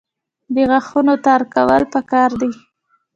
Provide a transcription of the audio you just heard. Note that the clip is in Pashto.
د غاښونو تار کارول پکار دي